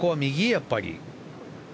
やっぱり。